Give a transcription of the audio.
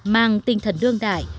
mang tinh thần đương đại